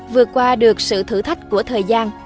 vượt qua được sự thử thách của thời gian